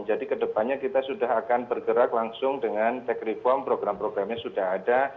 jadi kedepannya kita sudah akan bergerak langsung dengan tech reform program programnya sudah ada